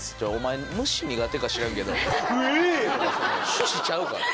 趣旨ちゃうから。